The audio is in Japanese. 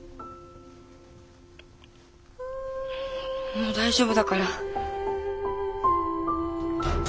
もう大丈夫だから。